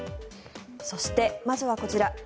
そして、まずはこちら。